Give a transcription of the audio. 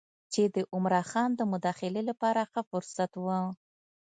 چې د عمرا خان د مداخلې لپاره ښه فرصت و.